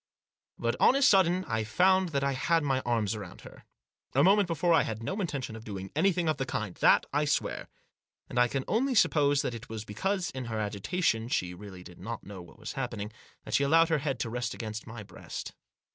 But, on a sudden, I found that I had my arms about her. A moment before I had no intention of doing anything of the kind — that I swear. And I can only suppose that it was because, in her agitation, she really did not know what was happening, that she allowed her head to rest against my breast.